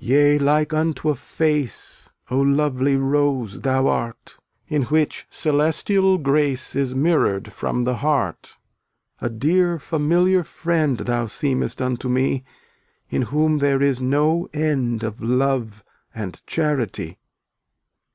299 Yea, like unto a face, O lovely Rose thou art, In which celestial grace Is mirrored from the heart. A dear familiar friend Thou seemest unto me, In whom there is no end Of love and charity.